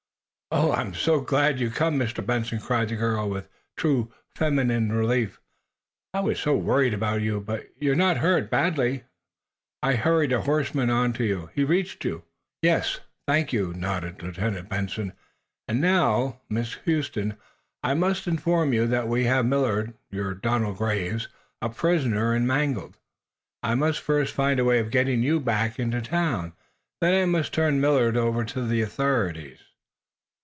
"Oh, I'm so glad you've come, Mr. Benson!" cried the girl, with true feminine relief. "I was so worried about you. But you're not hurt badly. I hurried a horseman on to you. He reached you?" "Yes, thank you," nodded Lieutenant Benson. "And now, Miss Huston, I must inform you that we have Millard your Donald Graves a prisoner and manacled. I must first find a way of getting you back into town. Then I must turn Millard over to the authorities."